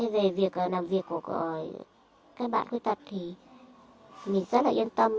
về việc làm việc của các bạn khuyết tật thì mình rất là yên tâm